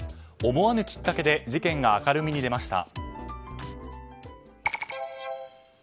思わぬきっかけで事件が明るみに出ました。